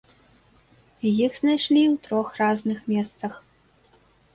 Іх знайшлі ў трох розных месцах.